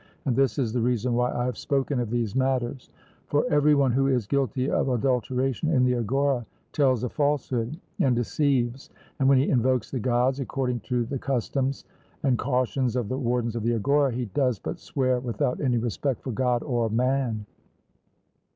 And this is the reason why I have spoken of these matters. For every one who is guilty of adulteration in the agora tells a falsehood, and deceives, and when he invokes the Gods, according to the customs and cautions of the wardens of the agora, he does but swear without any respect for God or man.